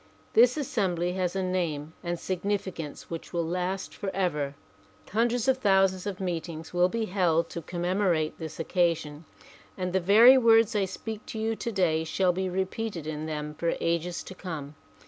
This assembly has a name and sig nificance which will last forever. Hundreds of thousands of meet ings shall be held to commemorate this occasion and the very words I speak to you today shall be repeated in them for ages to come.